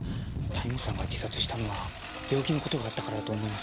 谷本さんが自殺したのは病気の事があったからだと思います。